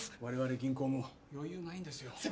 われわれ銀行も余裕ないんですよ。